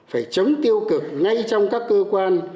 phải chống tiêu cực ngay trong các cơ quan